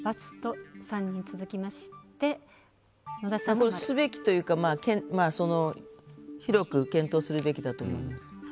これ、すべきというか広く検討するべきだと思います。